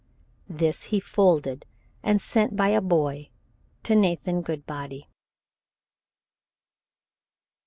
This he folded and sent by a boy to Nathan Goodbody.